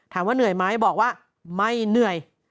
ถามว่าเหนื่อยไหมบอกว่าไม่เหนื่อย